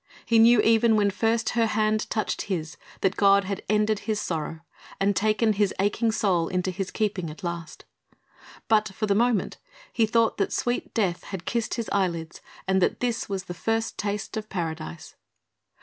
He knew even when first her hand touched his that God had ended his sorrow and taken his aching soul into His keeping at last. But for the moment he thought that sweet death had kissed his eyelids and that this was the first taste of paradise.